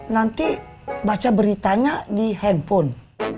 nanti baca beritanya di handphone